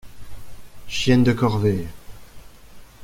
Chienne de corvée!